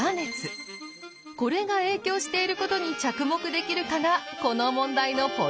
これが影響していることに着目できるかがこの問題のポイント！